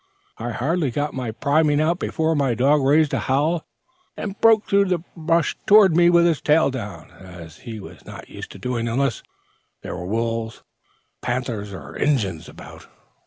I had hardly got my priming out before my dog raised a howl and broke through the brush toward me with his tail down, as he was not used to doing unless there were wolves, painters (panthers), or Injins about.